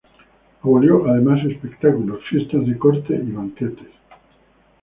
Abolió además espectáculos, fiestas de corte y banquetes.